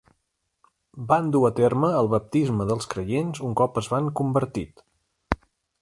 Van dur a terme el baptisme dels creients un cop es van convertit.